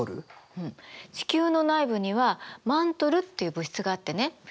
地球の内部にはマントルっていう物質があってね